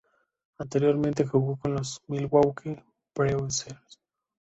Anteriormente jugó con los Milwaukee Brewers, St.